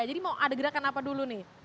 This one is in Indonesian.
jadi mau ada gerakan apa dulu nih